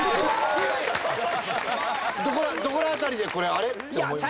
どこら辺りでこれ「あれ？」って思いました？